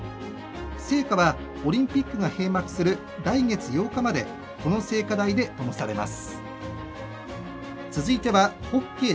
聖火はオリンピックが閉幕する来月８日までこの聖火台でともされます。